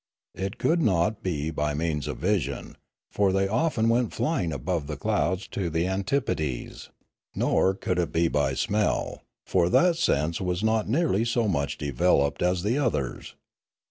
It could not be by means of vision ; for they often went flying above the clouds to the antipodes; nor could it be by smell; for that sense was not nearly so much developed as the others.